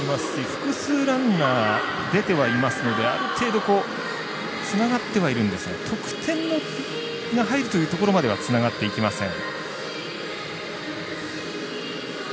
複数ランナー出てはいますのである程度、つながってはいるんですが得点が入るというところまではつながっていきません。